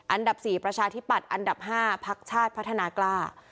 อันดับ๔ประชาธิปัตย์อันดับ๕พักชาติพัฒนากล้า